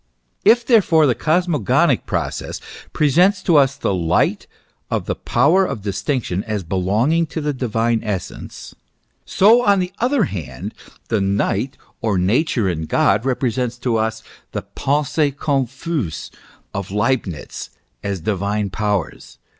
If, therefore, the cosmogonic process presents to us the Light of the power of distinction as belonging to the divine essence ; so, on the other hand, the Night or Nature in God, represents to us the Pensees confuses of Leibnitz as divine powers.